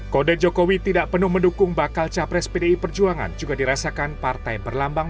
kode jokowi tidak penuh mendukung bakal capres pdi perjuangan juga dirasakan partai berlambang